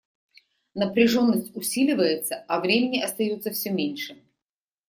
Напряженность усиливается, а времени остается все меньше.